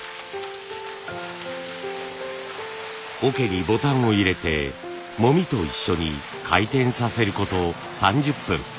桶にボタンを入れてもみと一緒に回転させること３０分。